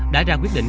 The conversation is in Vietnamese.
đã ra quyết định